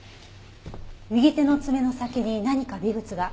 右手の爪の先に何か微物が。